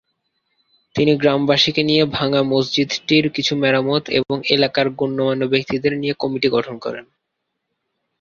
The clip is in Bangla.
তিনি গ্রামবাসীকে নিয়ে ভাঙ্গা মসজিদটির কিছু মেরামত এবং এলাকার গণ্যমান্য ব্যক্তিদের নিয়ে কমিটি গঠন করেন।